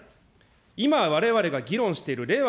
今、われわれが議論している令和